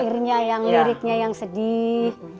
akhirnya yang liriknya yang sedih